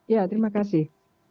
ya terima kasih